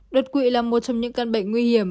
đột quỵ là một trong những căn bệnh nguy hiểm